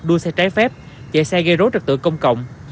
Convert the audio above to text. đua xe trái phép chạy xe gây rối trật tự công cộng